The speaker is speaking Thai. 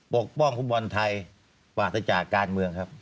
กป้องฟุตบอลไทยปราศจากการเมืองครับ